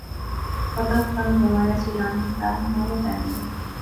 কতক্ষণ ঘুমাইয়াছিলাম তাহাও জানি না।